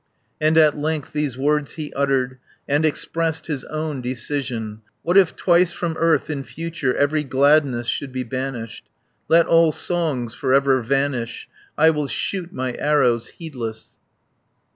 And at length these words he uttered, And expressed his own decision: "What if twice from earth in future Every gladness should be banished? Let all songs for ever vanish; I will shoot my arrows, heedless!"